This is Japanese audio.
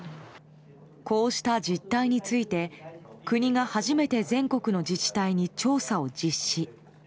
こうした実態について国が初めて全国の自治体に調査を実施。